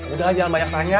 udah jangan banyak tanya